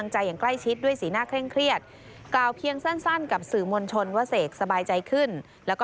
อย่างใกล้ชิดด้วยสีหน้าเคร่งเครียดกล่าวเพียงสั้นกับสื่อมวลชนว่าเสกสบายใจขึ้นแล้วก็